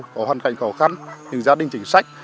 có hoàn cảnh khó khăn những gia đình chính sách